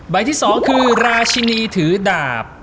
ที่๒คือราชินีถือดาบ